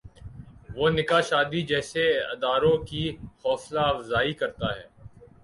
وہ نکاح شادی جیسے اداروں کی حوصلہ افزائی کرتا ہے۔